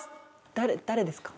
誰誰ですか？